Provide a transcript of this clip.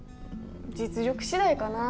実力次第かな。